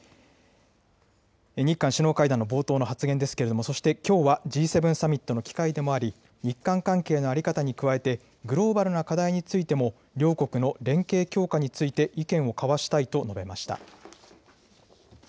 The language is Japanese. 日韓首脳会談の冒頭の発言ですけれども、そして、きょうはＧ７サミットの機会でもあり、日韓関係の在り方に加えて、グローバルな課題についても、両国の連携強化について意見を交わしたいと述べました。